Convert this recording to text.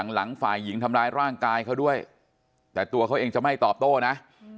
ฝ่ายหญิงทำร้ายร่างกายเขาด้วยแต่ตัวเขาเองจะไม่ตอบโต้นะ